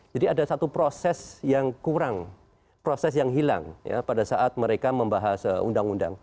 jadi ada satu proses yang kurang proses yang hilang pada saat mereka membahas undang undang